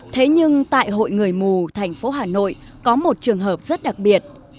thế nhưng tại hội người mù thành phố hà nội có một trường hợp rất đặc biệt